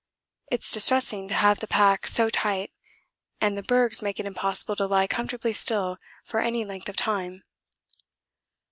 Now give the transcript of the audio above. It's distressing to have the pack so tight, and the bergs make it impossible to lie comfortably still for any length of time.